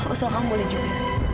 usul kamu boleh juga